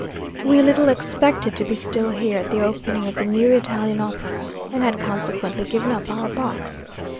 We little expected to be still here at the opening of the new Italian opera, and had consequently given up our box.